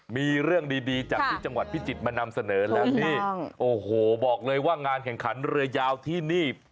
มีเรื่องดีจากที่จังหวัดพิจิตรมานำเสนอแล้วนี่โอ้โหบอกเลยว่างานแข่งขันเรือยาวที่นี่